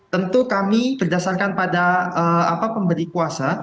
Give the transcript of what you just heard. tentu kami berdasarkan pada pemberi kuasa